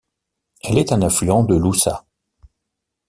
Elle est un affluent de l'Oussa.